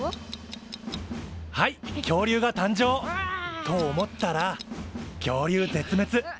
はい恐竜が誕生！と思ったら恐竜絶滅。